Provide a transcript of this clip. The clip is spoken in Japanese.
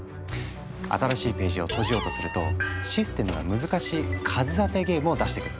新しいページをとじようとするとシステムが難しい数当てゲームを出してくる。